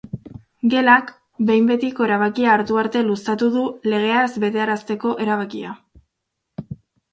Gelak behin betiko erabakia hartu arte luzatu du legea ez betearazteko erabakia.